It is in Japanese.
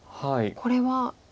これは。